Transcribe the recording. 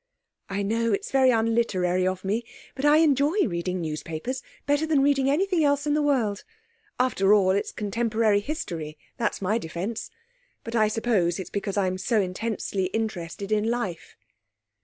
'I know it's very unliterary of me, but I enjoy reading newspapers better than reading anything else in the world. After all, it's contemporary history, that's my defence. But I suppose it is because I'm so intensely interested in life.'